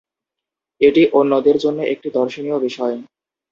এটি অন্যদের জন্য একটি দর্শনীয় বিষয়।